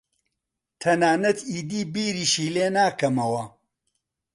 تەنانەت ئیدی بیریشی لێ ناکەمەوە.